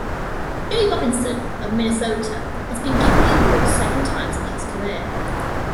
J Robinson of Minnesota has been given the award seven times in his career.